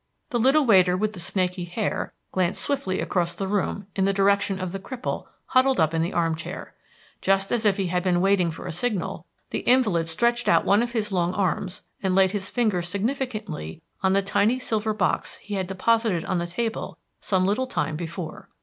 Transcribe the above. The little waiter with the snaky hair glanced swiftly across the room in the direction of the cripple huddled up in the armchair. Just as if he had been waiting for a signal, the invalid stretched out one of his long arms, and laid his fingers significantly on the tiny silver box he had deposited on the table some little time before.